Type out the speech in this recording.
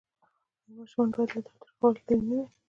آیا ماشومان باید له تاوتریخوالي لرې نه وي؟